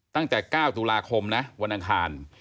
ตั้งแต่๙ตุลาคมนะวันอังคาร